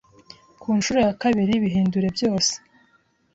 ku ncuro ya kabiri bihindure byose